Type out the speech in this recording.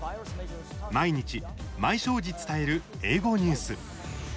毎日毎正時伝える英語ニュース。